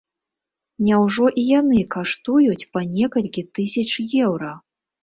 Няўжо і яны каштуюць па некалькі тысяч еўра?